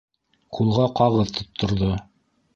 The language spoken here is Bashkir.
Ҡулға ҡағыҙ тотторҙо.